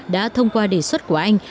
đã thông qua đề xuất của anh